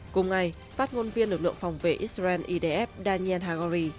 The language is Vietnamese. cùng ngày phát ngôn viên lực lượng phòng vệ israel idf daniel haguri